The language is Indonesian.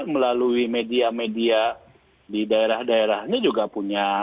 mengalami media media di daerah daerah ini juga punya